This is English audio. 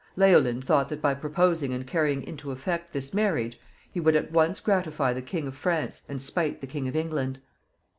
Leolin thought that by proposing and carrying into effect this marriage, he would at once gratify the King of France and spite the King of England.